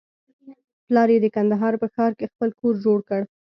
پلار يې د کندهار په ښار کښې خپل کور جوړ کړى.